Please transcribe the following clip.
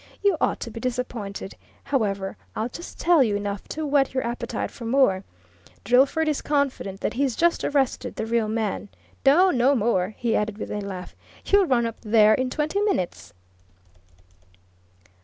You ought to be disappointed. However, I'll just tell you enough to whet your appetite for more Drillford is confident that he's just arrested the real man! No no more!" he added, with a laugh. "You'll run up there in twenty minutes."